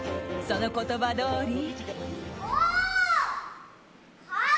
その言葉どおり。